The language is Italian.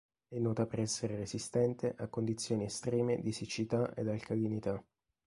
È nota per essere resistente a condizioni estreme di siccità ed alcalinità.